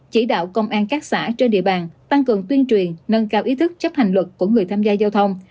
chỉ đạo công an các xã trên địa bàn tăng cường tuyên truyền nâng cao ý thức chấp hành luật của người tham gia giao thông